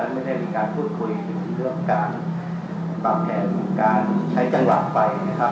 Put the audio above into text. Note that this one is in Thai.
ไม่ได้มีการพูดคุยถึงเรื่องการปรับแผนการใช้จังหวะไปนะครับ